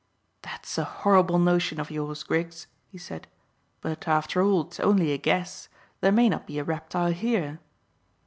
"That's a horrible notion of yours, Griggs," he said; "but, after all, it is only a guess: there may not be a reptile here."